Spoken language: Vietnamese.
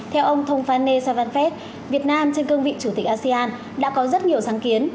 theo ông thông phan nê savanphet việt nam trên cương vị chủ tịch asean đã có rất nhiều sáng kiến